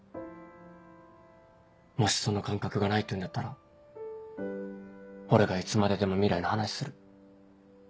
もしその感覚がないっていうんだったら俺がいつまででも未来の話する。